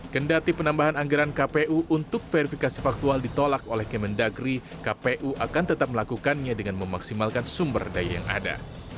kendati penambahan anggaran kpu untuk verifikasi faktual ditolak oleh kemendagri kpu akan tetap melakukannya dengan memaksimalkan sumber daya yang ada